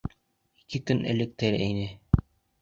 — Ике көн элек тере ине.